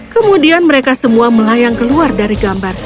kemudian mereka semua melayang keluar dari gambar